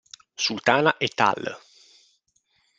Sultana "et al.